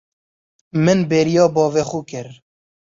Min bêriya bavê xwe kir.